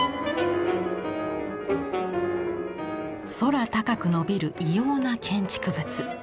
空高くのびる異様な建築物。